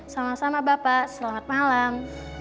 sama sama bapak selamat malam